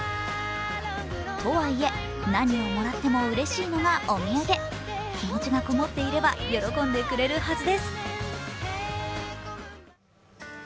とはいえ何をもらってもうれしいのがお土産、気持ちがこもっていれば喜んでくれるはずです